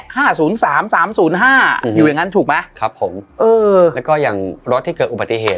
อยู่อย่างนั้นถูกไหมครับผมแล้วก็อย่างลดที่เกิดอุบัติเหตุ